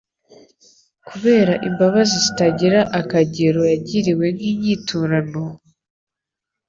Kubera imbabazi zitagira akagero yagiriwe nk'inyiturano,